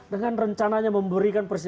dengan rencananya memberikan